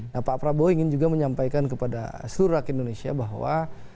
nah pak prabowo ingin juga menyampaikan kepada seluruh rakyat indonesia bahwa